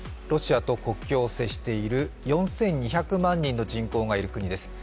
ロシアと国境を接している４２００万人の人口のいる国です。